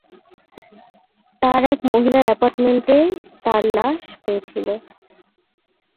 তারা এক মহিলার এপার্টমেন্টে তার লাশ পেয়েছিলো।